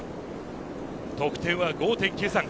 得点は５．９３。